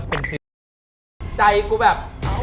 เป็นใจกูแบบ